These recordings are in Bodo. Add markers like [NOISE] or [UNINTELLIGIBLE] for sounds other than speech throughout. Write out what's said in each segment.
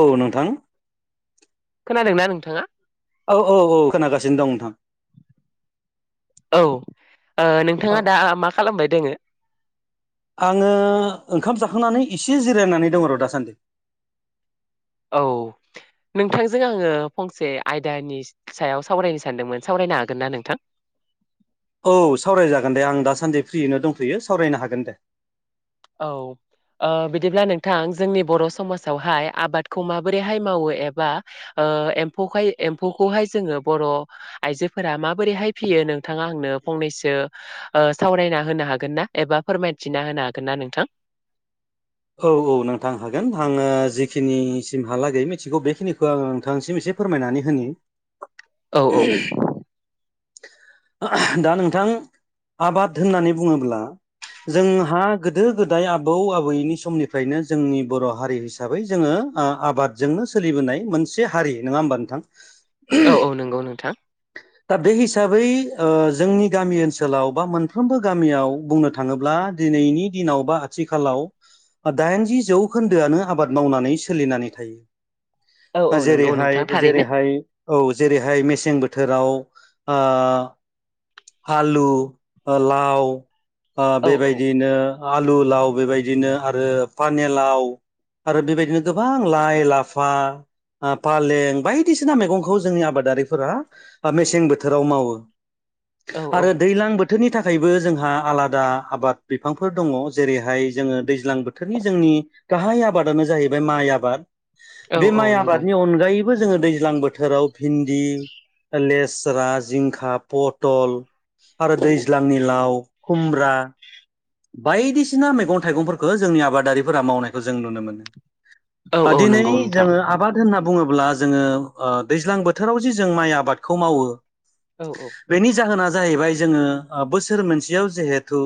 औ नोंथां औ खोनादोंना नोंथाङा औ औ औ खोनागासिनो दं नोंथां औ ओ औ नोंथाङा दा मा खालामबाय दोङो आङो ओंखाम जाखांनानै एसे जिरायनानै दं र' दासान्दि औ नोंथांजों आङो फंसे आयदानि सायाव सावरायनो सानदोंमोन सावरायनो हागोन ना नोंथां औ सावरायजागोन दे आं दासान्दि फ्रियैनो दंथयो सावरायनो हागोन दे औ ओ बिदिब्ला नोंथां जोंनि बर' समाजावहाय आबादखौ माबोरैहाय मावो एबा ओ एम्फौखाय एम्फौखौहाय जोङो बर आइजोफोरा माबोरैहाय फियो नोंथाङा आंनो फंनैसो ओ सावरायना होनो हागोन ना एबा फोरमायथिना होनो हागोन गोनना नोंथां औ औ नोंथां हागोन आङो जिखिनिसिमहालागै मिथिगौ बेखिनिखौ आं नोंथांसिम एसे फोरमायनानै होनि औ औ दा नोंथां आबाद होननानै बुङोब्ला जोंहा गोदो गोदाय आबौ आबैनि स समनिफ्रायनो जोंनि बर' हारि हिसाबै जोङो आबादजोंनो सोलिबोनाय मोनसे हारि नङा होमबानोथां औ औ नंगौ नोंथां दा बे हिसाबै ओ जोंनि गामि ओनसोलाव बा मोनफ्रोमबो गामियाव बुंनो थाङोब्ला दि दिनैनि दिनाव बा आथिखालाव ओ दाइनजि जौखोन्दोआनो आबाद मावनानै सोलिनानै औ औ थायो नंगौ नोंथां जेरैहाय थारैनो जेरैहाय औ जेरैहाय मेसें बोथोराव ओ आलु ओ लाव ओ औ औ बेबायदिनो आलु लाव बेबायदिनो आरो पानेलाव आरो बेबायदिनो गोबां लाइ लाफा आ पालें बायदिसिना मेगंखौ जोंनि आबादारिफोरा मेसें बोथोराव मावो औ औ आरो दैलां बोथ थोरनि थाखायबो जोंहा आलादा आबाद बिफांफोर दङ' जेरैहाय जोङो दैज्लां बोथ थोरनि जोंनि गाहाय आबादानो जाहैबाय माइ आबाद औ बे औ माइ नंगौ आबादनि अनगायै बो जोङो दैज्लां बोथोराव भिन्दि ओ लेस्रा, जिंखा, पटल आरो दैज्लांनि लाव खुमब्रा बायदिसिना मैगं थाइगंफोरखो जोंनि आबादारिफोरा मावनायखो जों नुनो मोनो औ आ औ दिनै नंगौ नोंथां जोङो आबाद होनना बुङो ब्ला जोङो ओ दैज्लां बोथोराव जे जों माइ आबादखौ मावो औ औ बेनि जाहोना जाहैबाय जोंङो ओ बोसोर मोनसेयाव जेहेथु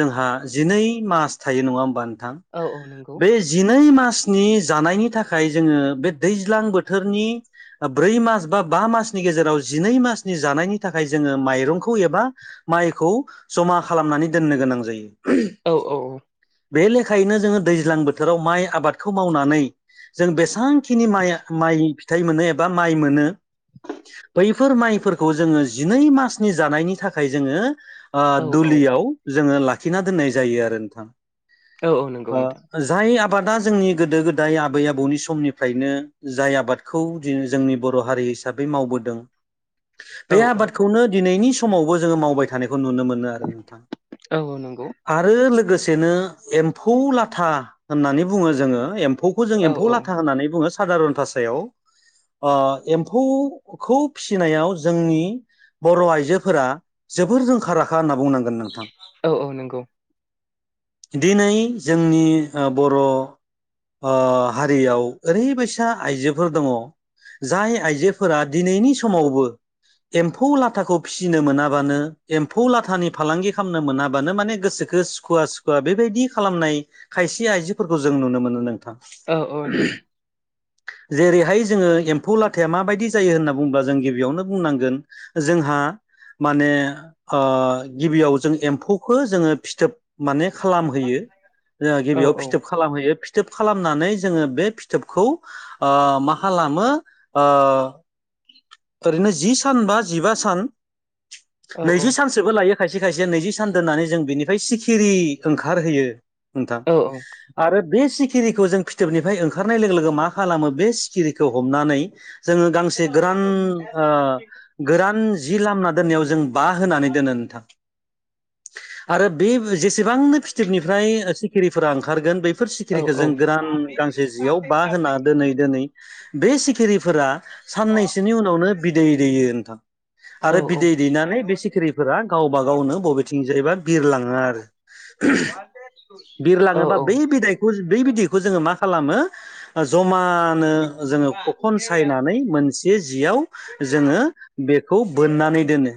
जोंहा जिनै मास थायो नङा होमबा नोंथां? औ औ नंगौ बे जिनै मा स्नि जानायनि थाखाय जोङो बे दैज्लां बोथोरनि ओ ब्रै मास बा बा मासनि गेजेराव जिनै मासनि जानायनि थाखाय जोङो माइरंखौ एबा माइखौ जमा खालामनानै दोननो गोनां जायो औ औ औ बे लेखायैनो जोङो दैज्लां बोथोराव माइ आबादखौ मावनानै जों बेसां खिनि माइ माइ फिथाइ मोनो एबा माइ मोनो बैफोर माइफोरखौ जोङो जिनै मासनि जानायनि थाखाय जोङो ओ औ दुलियाव जोङो लाखिना दोननाय जायो आरो नोंथां औ औ नंगौ ओ नोंथां जाय आ बादा जोंनि गोदो गोदाय आबै आबौनि समनिफ्रायनो जाय आबादखौ दि जोंनि बर' हारि हिसाबै मावबोदों औ बे औ आबादखौनो दिनैनि समावबो जोङो मावबाय थानायखौ नुनो मोनो आरो नोंथां औ औ नंगौ आरो लोगोसेनो एम्फौ लाथा होननानै बुङो जोङो एम फौखौ जों औ एम्फौ औ लाथा होननानै बुङो सादारन भाषायाव ओ एम्फौखौ फिसिनायाव जोंनि बर' आइजोफोरा जोबोर रोंखा राखा होनना बुंनांगोन नोंथां औ औ नंगौ दिनै जोंनि ओ बर' ओ‌ हारियाव ओरैबायसा आइजोफोर दङ' जाय आइजोफोरा दिनैनि समावबो एम्फौ लाथाखौ फिसिनो मोनाबानो एम्फौ लाथानि फालांगि खामनो मोना बानो माने गोसोखो सुखुवा-सुखुवा बेबायदि खालामनाय खायसे आइजोफोरखौ जों नुनो मोनो नों थां औ औ नंगौ [UNINTELLIGIBLE] जेरैहाय जोङो एम्फौ लाथाया माबायदि जायो होनना बुङोबा जों गिबियावनो बुंनांगोन जोंहा माने ओ गिबियाव जों एम्फौ खो जोङो फिथोब माने खालामहैयो ओ औ गिबियाव औ फिथोब खालामहोयो फिथोब खालामनानै जोङो बे फिथोबखौ ओ मा खालामो ओ ओरैनो जि सान बा जिबा सान औ नैजि सानसोबो लायो खायसे-खायसेया नैजिस सान दोननानै जों बेनिफ्राय सिखिरि ओंखारहयो नोंथां औ आरो बे सिखिरिखौ जों फिथोबनिफ्राय ओंखारनाय लोगो लोगो मा खालामो बे सिखिरिखौ हमनानै जोङो गांसे गोरान ओ गोरान जि लामना दोननायाव जों बा होनानै दोनो नोंथां आरो बे जेसेबांनो फिथोबनिफ्राय सिखिरिफोरा ओंखारगोन बे फोर औ सिखिरिखौ औ जों गोरान गांसे जियाव बाहोना दोनै-दोनै बे सिखिरि फोरा साननैसोनि उनावनो बिदै दैयो नोंथां। आरो औ बिदै औ औ दैनानै बे सिखिरिफोरा गावबा-गावनो बबे जोंबा बिरलाङो आरो नंगौ औ बिरलाङोबा बै बिदैखौ बै बिदैखौ जोङो मा खालामो जमानो जोङो ख'खन सायनानै मोनसे जियाव जोङो बेखौ बेखौ बोननानै दोनो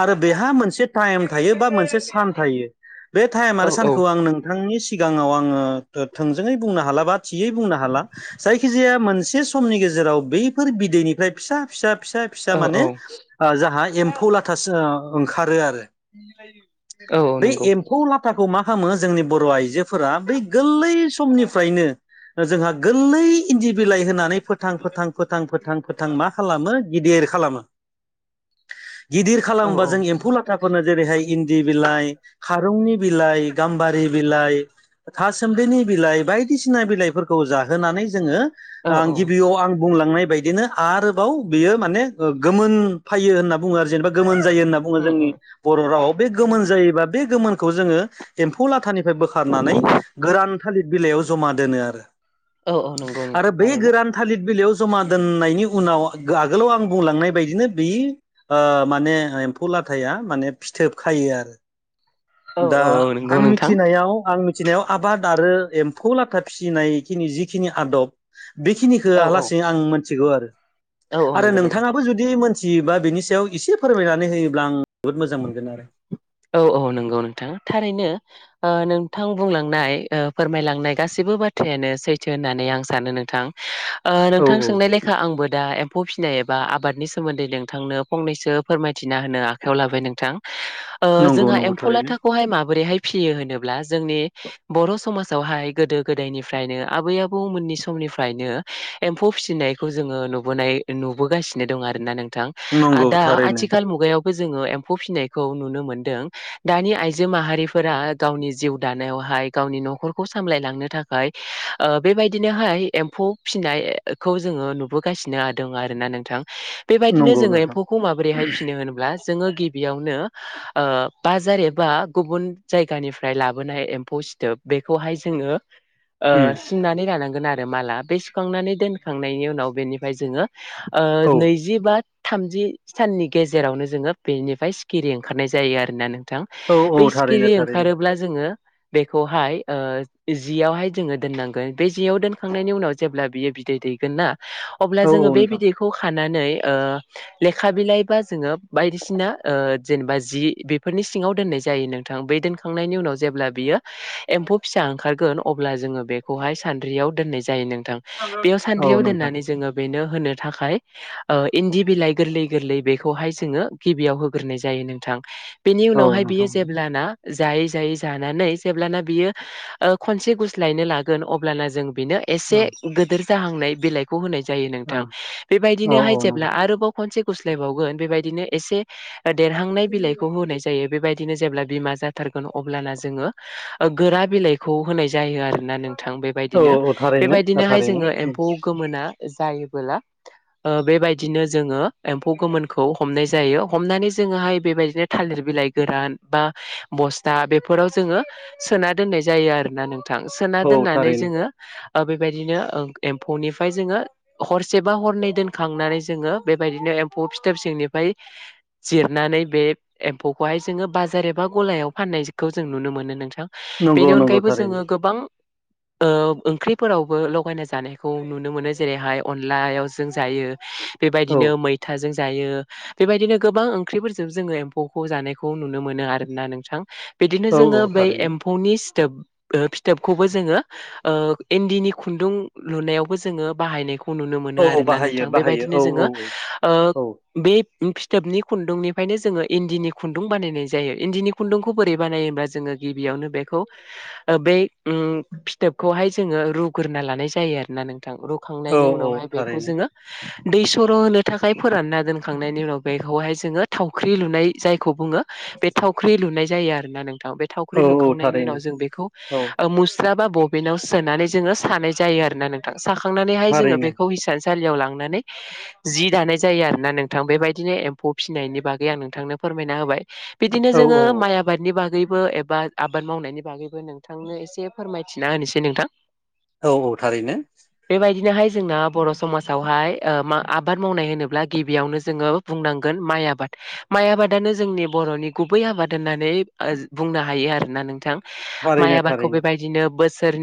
आरो बेहा मोनसे टाइम थायो बा मोनसे सान थायो बे टाइम आरो सानखौ उम नोंथांनि सिग सिगाङाव आङो थोंजोङै बुंनो हालाबा थियै बुंनो हाला जायखिजाया मोनसे समनि गेजेर गेजेराव बैफोर बिदैनिफ्राय फिसा-फिसा फिसा-फिसा माने जोंहा एम्फौ लाथासो ओंखारो आरो। बे एम्फौ लाथाखौ मा खालामो जोंनि बर' आइजोफोरा बै गोरलै समनिफ्रायनो जोंहा गोरलै इन्दि बिलाइ होनानै फोथां-फोथां फोथां फोथां-फोथां मा खालामो गिदिर खालामो, गिदिर खालामोबा जों एम्फौ लाथा नो जेरैहाय इन्दि बिलाइ, खारौनि बिलाइ, गाम्बारि बिलाइ थासोमब्लिनि बिलाइ बायदिसिना बिलाइफोरखौ जाहोनानै जोङो आं गिबियाव आं बुंलांनाय बायदिनो आरोबाव बियो माने गोमोन फैयो होननानै बुङो गोमोन जायो होनना बुङो जोंनि उम बर' रावाव बे गोमोन गोमोन जायोबा बे गोमोनखौ जोङो एम्फौ लाथानिफ्राय बोखारनानै गोरान थालिर बिलाइआव जमा दोनो औ औ नंगौ आरो नोंथां बे थारैनो गोरान थालिर बिलाइआव जमा दोननायनि उनाव आगोलाव आं बुंलांनाय बायदिनो बे माने एम्फौ लाथाया माने फिथोब खायो आरो औ दा औ औ नंगौ आं नोंथां मिथिनायाव आं मिथिनायाव आबाद आरो एम्फौ लाथा फिसिनायखिनि जिखिनि आदब बेखिनिखौ औ आं औ लासि आं मोनथिगौ आरो औ औ आरो नंगौ दे नोंथाङाबो जुदि मोन थियोबा बिनि सायाव एसे फोरमायनानै होयोब्ला आं जोबोद मोजां मोनगोन आरो। औ औ नंगौ नोंथां थारैनो नोंथां बुंलांनाय फोरमायलांनाय गासिबो बाथ्रायानो सैथो होननानै आं सानो नोंथां, ओ औ नोंथां सोंनाय लेखा आंबो दा एम्फौ फिसिनाय एबा आबादनि सोमोन्दै नोंथांनो फंनैसो फोरमायथिना होनो आखायाव लाबाय नोंथां। ओ नंगौ जोंहा नंगौ एम्फौ थारैनो लाथाखौहाय माबोरैहाय फिसियो होनोब्ला जोंनि बर' समाजावहाय गोदो-गोदायनिफ्रायनो आबै-आबौमोननि समनिफ निफ्रायनो एम्फौ फिसिनायखौ जोङो नुबोनाय नुबोगासिनो दं आरोना नों थां नंगौ दा थारैनो आथिखाल मुगायावबो जोङो एम्फौ फिसिनायखौ नुनो मोनो। दों दानि आइजो माहारिफोरा गावनि जिउ दानायावहाय गावनि न'खरखौ सामलायलांनो थाख थाखाय ओ बेबायदिनोहाय एम्फौ फिसिनायखौ जोङो नुबोगासिनोदों आरो। ना नोंथां बेबायदिनो नंगौ जोङो नोंथां एम्फौखौ माबोरैहाय फिसिनो होनब्ला जोङो गिबियावनो ओ बाजार एबा गुबुन जायगानिफ्राय लाबोनाय एम्फौ सिथोब बेखौहाय जोङो ओ उम सिननानै लानांगोन आरो माला बे सुखांनानै दोनखांनायनि उनाव बेनिफ्राय जोङो ओ औ नैजि बा थामजि साननि गेजेरावनो जोङो बेनिफाय सिखिरि ओंखारनाय जायो आरोना नों थां औ औ बै थारैनो सिखिरि थारैनो ओंखारोब्ला जोङो बेखौहाय ओ जियावहाय जोङो दोननांगोन बे जियाव दोनखांनायनि उनाव जेब्ला बियो बिदै दैगोन ना अब्ला औ जों औ नोंथां बिदैखौ खाना नानै ओ लेखा बिलाइ बा जोङो बायदिसिना ओ जेनेबा जि बेफोरनि सिङाव दोननाय जायो नोंथां बे दोनखां नायनि उनाव जेब्ला बियो एम्फौ फिसा ओंखारगोन गोन अब्ला जोङो बेखौ हाय सानद्रियाव दोननाय जायो‌ नोंथां। थाङो बेयाव औ सानद्रि याव नोंथां दोननानै जोङो बेनो होनो थाखाय ओ इन्दि बिलाइ गोरलै गोरलै बेखौ हाय जोङो गिबियाव होग्रोनाय जायो नोंथां। बेनि औ उनावहाय बियो नोंथां जेब्लाना जायै जायै जानानै जेब्लाना बियो ओ खनसे गुस्लायनो लागोन अब्लाना जों बेनो एसे गोदोर जाहांनाय बिलाइखौ होनाय जायो नोंथां औ बेबायदिनो औ हाय नंगौ जेब्ला आरोबाव खनसे गुस्लाय बावगोन बेबायदिनो एसे देरहांनाय बिलाइखौ होनाय जायो बेबायदि बिदिनो जेब्ला बिमा जाथार गोन अब्लाना जोङो ओ गोरा बिलाइखौ होनाय जाय जायो आरोना नोंथां औ बेबायदिनो औ थारैनो बेबायदिनो हाय थारैनो जोङो एम्फौ गोमोना जायोबोला ओ बेबायदिनो जोङो एम्फौ गोमोनखौ हमनाय जायो हमनानै जोङो हाय बेबायदिनो थालिर बिलाइ गोरान बा बस्था बेफोराव जोङो सोना दोननाय जायो आरोना नों थां सोना औ दोननानै थारैनो जोङो ओ बेबायदिनो ओं एम्फौ निफ्राय जोङो हरसेबा हरनै दोनखां नानै जोङो बेबायदिनो एम्फौ फिथोब सिंनिफ्राय जिरनानै बे एम्फौ खौहाय जोङो बाजार एबा गलायाव फाननायखौ जों नुनो मोनो नोंथां। नंगौ बेनि नंगौ अनगायैबो थारैनो जोङो गोबां ओ ओंख्रि फोरावबो लगायना जानायखौ नुनो मोनो जेरै हाय अनलायाव जों जायो। औ बेबायदिनो मैथाजों जायो बेबायदिनो गोबां ओंख्रि फोरजों जोङो एम्फौखौ जानायखौ नुनो मोनो आरोना नोंथां बिदिनो औ जोङो औ बै थारैनो एम्फौनि फिथोब ओ फिथोब खौबो जोङो ओ इन्दिनि खुन्दुं लुनायावबो जोङो बाहायनायखौ नुनो मोनो औ आरोना बाहायो नोंथां बाहायो बेबायदिनो औ जोङो औ ओ औ बे फिथोबनि खुन्दुंनि फ्रायनो जोङो इन्दिनि खुन्दुं बानायनाय जायो इन्दिनि खुन्दुंखौ बोरै बानायोबब्ला जोङो गिबियावनो बेखौ ओ बे बै उम फिथोब खौहाय जोङो रुगोरना लानाय जायो आरोना नों थां औ रुखांनायनि औ उनावहाय बेखौ थारैनो जोङो दै सर' होनो थाखाय फोरानना दोनखां नायनि उनाव बेखौहाय जोङो थावख्रि लु नाय जायखौ बुङो बे थावख्रि लुनाय जायो आरो ना नों थाव बे थावख्रि औ औ लुखांनायनि थारैनो उनाव जों बेखौ औ ओ मुस्रा बा बबेनाव सोनानै जोङो सानाय जायो आरोना नोंथां साखां नानै हाय जोङो थारैनो बेखौ हिसान सालियाव लांनानै जि दानाय जायो आरो ना नोंथां बेबायदिनो एम्फौ फिनायनि बागै आं नों थांनो फोरमायना होबाय बिदिनो औ जोङो माइ आबादनि बागै बो एबा आबाद मावनायनि बागैबो नोंथांनो एसे फोरमायथिना होनोसै नोंथां। औ औ थारैनो। बिनो हाय जोंना बर' समाजाव हाय ओ मा आबाद मावनाय होनोब्ला गिबियावनो जोङो बुंनांगोन माइ नि आबाद। माइ आबादानो जोंनि बर'नि गुबै आबाद होननानै ओ बुंनो हायो आरोना नोंथां। माइ थारैनो आबादखौ थारैनो बेबायदिनो बोस सोर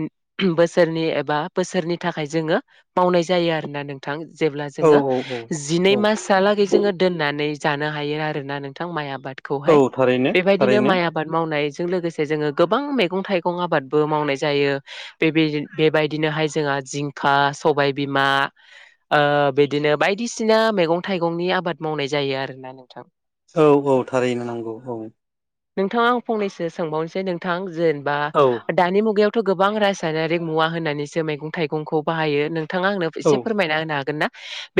बोसोरनि एबा बोसोरनि थाखाय जोङो मावनाय जायो आरोना नोंथां। जेब्ला औ जोङो औ जिनै मास हा लागै जोङो दोननानै जानो हायो आरोना नोंथां माइ आ आबाद औ खौहाय थारैनो बेबायदिनो थारैनो माइ आबाद मावनाय जों लोगोसे जोङो गोबां मैगं थाइगं आबादबो मावनाय जायो बेबाय बेबायदिनो हाय जोंहा जिंखा सबाय बिमा ओ बिदिनो बायदि सिना मैगं थाइगंनि आबाद मावनाय जायो आरोना नोंथां। औ औ थारैनो नंगौ औ। नोंथाङा आं फंनैसो सोंबावनसै नोंथां जेनबा औ दानि मुगायाव थ' गोबां रासायनारिक मुवा होनानैसो मैगं थाइगंखौ बाहायो नोंथाङा आंनो औ एसे फोरमायना होनो हागोन ना?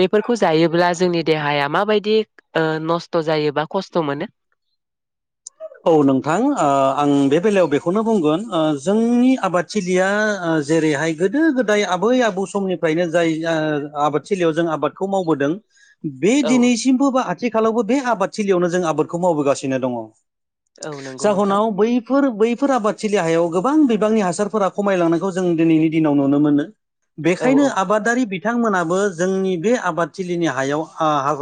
बेफोरखौ जायोब्ला जोंनि देहाया माबायदि ओ नस्थ' जायोबा खस्थ' मोनो [INAUDIBLE] औ नोंथां ओ आं बे बेलायाव बेखौनो बुंगोन ओ जोंनि आबाद थिलिया जेरैहाय गोदो गोदाय आबै आबौ समनिफ्रायनो जाय आबादथिलियाव जों आबादखौ मावबोदों बे औ दिनैसिमबो बा आथिखालावबो बे आबादथिलियावनो जों आबादखौ मावबोगासिनो दङ औ नंगौ नोंथां बेफोर बैफोर आबादथिलि हायाव गोबां बिबांनि हासारफोरा खमायलांनायखौ जों दिनैनि दिनाव नुनो मोनो औ बेखायनो औ आबादारि बि बिथांमोनाबो जोंनि बे आबादथिलिनि हायाव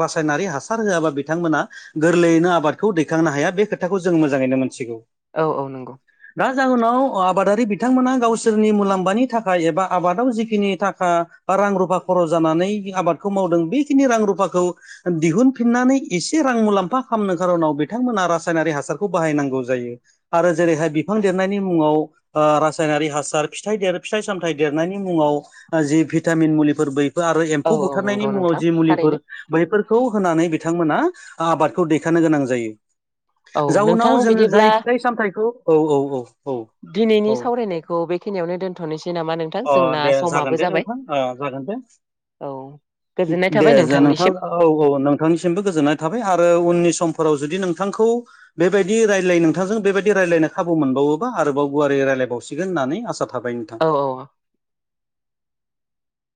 रासायनारि हासार होआबा बिथांमोना गोरलैयैनो आबादखौ दैखांनो हाया बे खोथाखौ जों मोजाङैनो मोनथिगौ औ औ नंगौ दा जाहोनाव आबादारि बिथांमोना गावसोरनि मुलाम्फानि थाखाय एबा आबादाव जिखिनि थाखा बा रां रुफा खरस जानानै आबादखौ मावदों बेखिनि रां रुफाखौ दिहुनफिननानै एसे रां मुलाम्फा खालामनो खारनाव बिथांमोना राज रनारि हासारखौ बाहायनांगौ जायो आरो जेरैहाय बिफां देरनायनि मुङाव ओ रासायनारि हासार फिथाइ देरो फिथाइ सामथाइ देरनायनि मुङाव जि भिटामिन मुलिफोर बो आरो औ एम्फौ औ बुथारनायनि नंगौ मुङाव नोंथां जि थारैनो मुलिफोर बैफैर खौ होनानै बिथांमोना आबादखौ दैखांनो गोनां जायो औ नोंथां जाउनाव जोङो बिदिब्ला जाय फिथाइ सामथाइखौ औ औ औ औ दिनैनि औ सावरायनायखौ बेखिनियावनो दोन्थ'नोसै नामा नोंथां अ जोंना दे जागोन दे समाबो जाबाय नोंथां ओ जागोन दे औ गोजोननाय दे थाबाय जे नोंथां नोंथांनिसिम औ औ नोंथांनिसिमबो गोजोननाय थाबाय आरो उननि समफोराव जुदि नोंथांखौ बेबायदि रायज्लाय नोंथांजों बेबायदि रायज्लायनो खाबु मोनबावोबा आरोबाव गुवारै रायलायबावसिगोन होननानै आसा खालाम थाबाय नोंथां औ औ